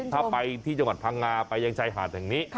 ถ้าไปที่จังหวัดพังงาไปยังชายหาดแห่งนี้